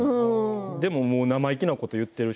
でも生意気なことを言っているし。